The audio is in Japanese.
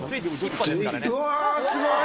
うわすごい！